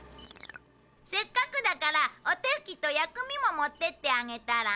せっかくだからお手拭きと薬味も持ってってあげたら？